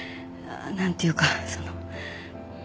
なんていうかその。